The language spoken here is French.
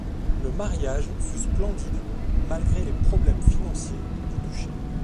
Le mariage fut splendide malgré les problèmes financiers du duché.